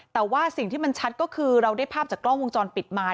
แต่ว่าสิ่งที่มันชัดก็คือเราได้ภาพจากกล้องวงจรปิดมา